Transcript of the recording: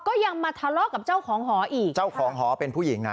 ก็ยังมาทะเลาะกับเจ้าของหออีกเจ้าของหอเป็นผู้หญิงนะ